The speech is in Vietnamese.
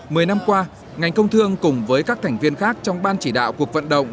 mười năm qua ngành công thương cùng với các thành viên khác trong ban chỉ đạo cuộc vận động